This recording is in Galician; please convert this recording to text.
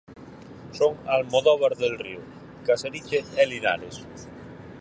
Son Almodóvar del Río, Casariche e Linares.